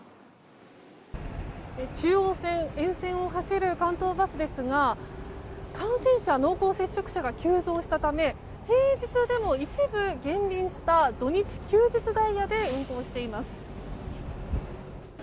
中央線沿線を走る関東バスですが感染者、濃厚接触者が急増したため平日でも一部減便した土日休日ダイヤで運行しています。